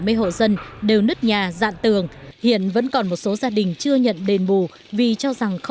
mìn nổ quá to